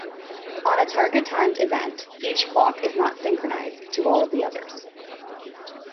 On a targa-timed event, each clock is not synchronised to all of the others.